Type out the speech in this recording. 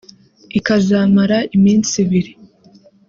ikazamara iminsi ibiri